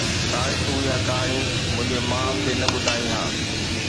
ڪاش تون اها ڪهاڻي منهنجي ماءُ کي نه ٻڌائي ها.